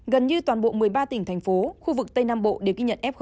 gần như toàn bộ một mươi ba tỉnh thành phố khu vực tây nam bộ đều ghi nhận f một